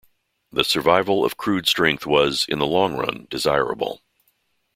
The survival of crude strength was, in the long run, desirable.